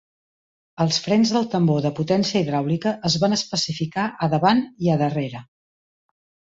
Els frens del tambor de potència hidràulica es van especificar a davant i a darrere.